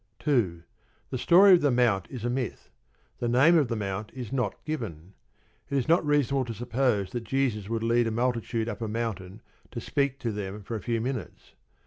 2. The story of the mount is a myth. The name of the mount is not given. It is not reasonable to suppose that Jesus would lead a multitude up a mountain to speak to them for a few minutes.